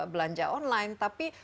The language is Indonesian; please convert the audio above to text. belanja online tapi